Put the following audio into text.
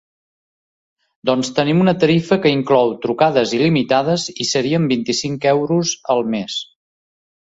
Doncs tenim una tarifa que inclou trucades il·limitades i serien vint-i-cinc euros al mes.